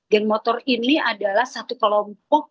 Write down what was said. geng motor ini adalah satu kelompok